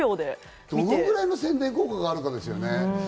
どのくらいの宣伝効果があるかですよね。